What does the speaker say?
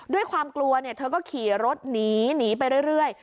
ด้วยความกลัวเธอก็ขี่รถหนีไปเรื่อย